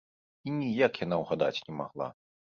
І ніяк яна ўгадаць не магла.